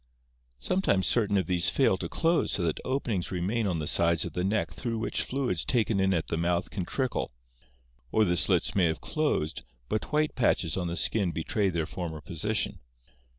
Sometimes certain of these fail to close so that openings remain on the sides of the neck through which fluids taken in at the mouth can trickle, or the slits may have closed but white patches on the skin betray their former position.